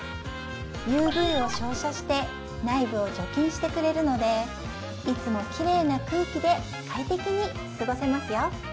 ＵＶを照射して内部を除菌してくれるのでいつもきれいな空気で快適に過ごせますよ